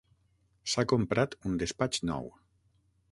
S'ha comprat un despatx nou.